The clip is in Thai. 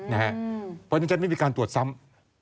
เพราะฉะนั้นฉันไม่มีการตรวจซ้ำ